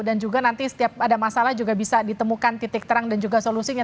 dan juga nanti setiap ada masalah juga bisa ditemukan titik terang dan juga solusinya